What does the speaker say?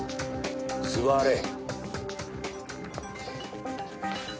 座れ！